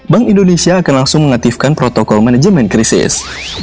bank indonesia akan langsung mengaktifkan protokol manajemen krisis